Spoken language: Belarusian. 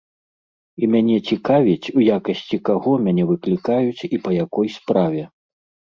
І мяне цікавіць, у якасці каго мяне выклікаюць і па якой справе.